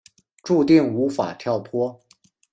注定无法跳脱